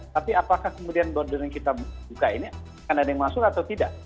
tapi apakah kemudian border yang kita buka ini akan ada yang masuk atau tidak